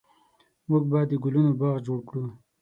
موږ به د ګلونو باغ جوړ کړو